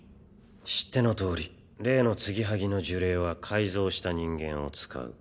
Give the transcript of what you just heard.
知ってのとおり例の継ぎはぎの呪霊は改造した人間を使う。